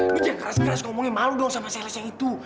lu jangan keras keras ngomongnya malu dong sama sales yang itu